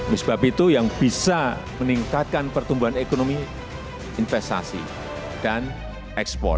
oleh sebab itu yang bisa meningkatkan pertumbuhan ekonomi investasi dan ekspor